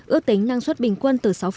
ước tính năng suất bình quân từ sáu năm